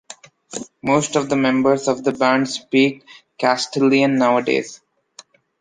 Most of the members of the band speak Castilian nowadays.